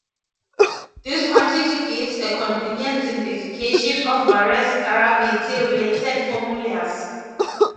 This quantity gives a convenient simplification of various gravity-related formulas.